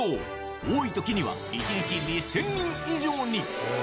多いときには１日２０００人以上に。